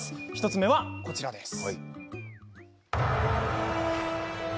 １つ目はこちらです。